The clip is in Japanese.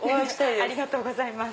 ありがとうございます。